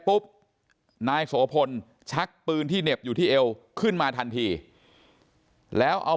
ปุ๊บนายโสพลชักปืนที่เหน็บอยู่ที่เอวขึ้นมาทันทีแล้วเอา